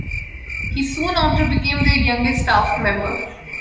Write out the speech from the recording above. He soon after became their youngest staff member.